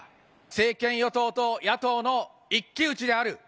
政権与党と野党の一騎打ちである。